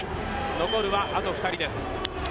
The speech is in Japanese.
残るは、あと２人です。